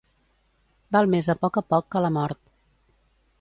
Val més a poc a poc que la mort.